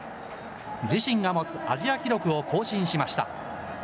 自身が持つアジア記録を更新しました。